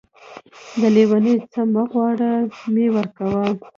د لېوني څه يې مه غواړه ،مې ورکوه.